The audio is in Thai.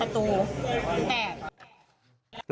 แล้วก็มันวิ่งมาชนประตูแปด